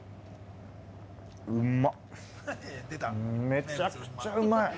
めちゃくちゃうまい！